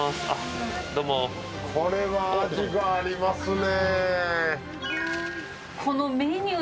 これは味がありますね。